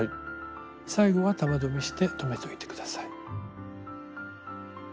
最後は玉留めして留めといて下さい。